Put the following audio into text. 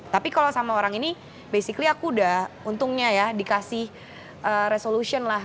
tapi kalau sama orang ini basically aku udah untungnya ya dikasih resolution lah